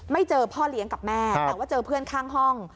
เจอพ่อเลี้ยงกับแม่แต่ว่าเจอเพื่อนข้างห้อง